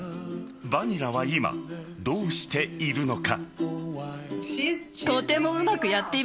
バニラは今、どうしているのか。